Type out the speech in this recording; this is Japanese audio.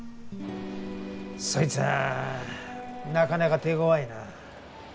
そいつぁなかなか手ごわいな。